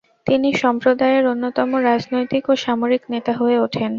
তিনি সম্প্রদায়ের অন্যতম রাজনৈতিক ও সামরিক নেতা হয়ে ওঠেন।